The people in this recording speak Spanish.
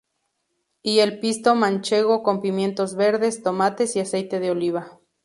Y el pisto manchego con pimientos verdes, tomates y aceite de oliva.